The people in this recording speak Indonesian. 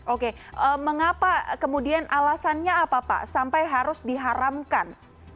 oke mengapa kemudian alasannya apa pak sampai harus diharamkan